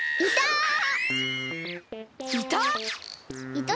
いた！？